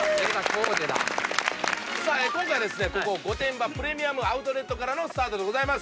今回は御殿場プレミアム・アウトレットからのスタートでございます。